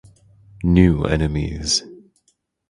New enemies.